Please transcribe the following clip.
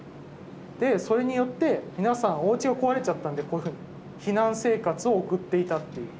でそれによって皆さんおうちが壊れちゃったんでこういうふうに避難生活を送っていたっていう。